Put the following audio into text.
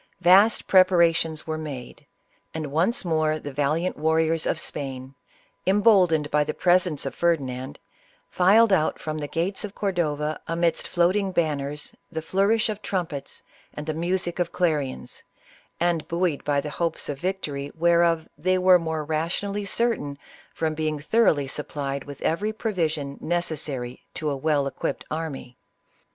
Vast preparations were made, and once more the valiant warriors of Spain, emboldened by the pres ence of Ferdinand, filed out from the gates of Cordova amidst floating banners, the flourish of trumpets, the music of clarions, and buoyed by the hopes of victory, whereof they were more rationally certain from being thoroughly supplied with every provision necessary to a well equipped army.